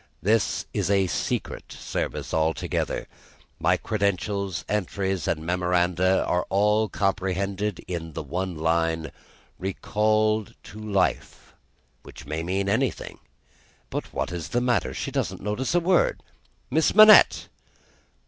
This is a secret service altogether. My credentials, entries, and memoranda, are all comprehended in the one line, 'Recalled to Life;' which may mean anything. But what is the matter! She doesn't notice a word! Miss Manette!"